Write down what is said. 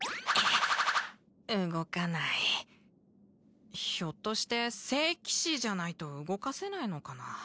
動かないひょっとしてせいきしじゃないと動かせないのかな？